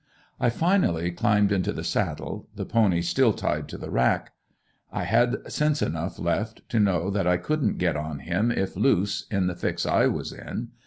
I finally climbed into the saddle, the pony still tied to the rack. I had sense enough left to know that I couldn't get on him if loose, in the fix I was in.